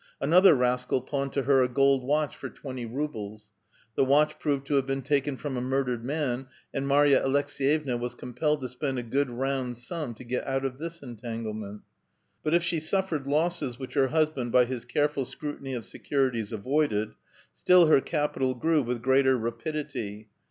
Another rascal pawned to her a gold watch for twent}' rubles ; the watch proved to have been taken from a murdered man, and Marya Aleks^yevna was compelled to spend a good round sum to get out of this en tanglement. But if she suffered losses which her husband by his careful scrutiny of securities avoided, still her capital grew with greater rapidity.